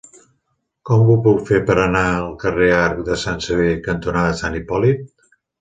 Com ho puc fer per anar al carrer Arc de Sant Sever cantonada Sant Hipòlit?